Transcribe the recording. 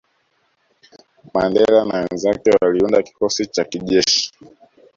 Mandela na wenzake waliunda kikosi cha kijeshi